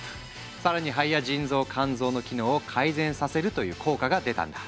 更に肺や腎臓肝臓の機能を改善させるという効果が出たんだ。